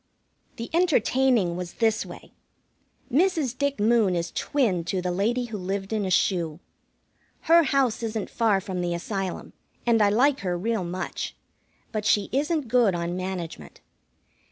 The entertaining was this way. Mrs. Dick Moon is twin to the lady who lived in a shoe. Her house isn't far from the Asylum, and I like her real much; but she isn't good on management.